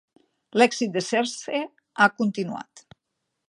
L'èxit de "Serse" ha continuat.